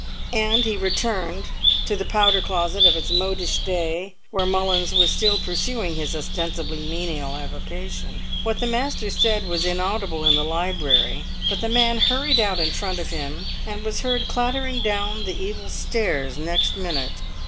And he returned to the powder closet of its modish day, where Mullins was still pursuing his ostensibly menial avocation. What the master said was inaudible in the library, but the man hurried out in front of him, and was heard clattering down the evil stairs next minute.